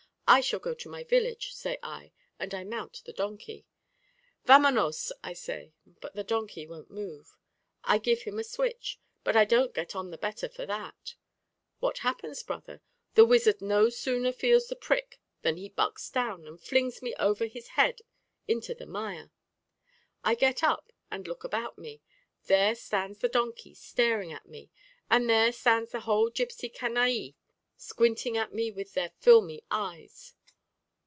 'I shall go to my village,' say I, and I mount the donkey, 'Vamonos,' say I, but the donkey won't move. I give him a switch, but I don't get on the better for that. What happens then, brother? The wizard no sooner feels the prick than he bucks down, and flings me over his head into the mire. I get up and look about me; there stands the donkey staring at me, and there stand the whole gipsy canaille squinting at me with their filmy eyes.